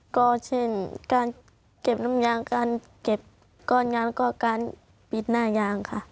ก็เช่นการเก็บน้ำยางการเก็บก้อนยางก็การปิดหน้ายางค่ะ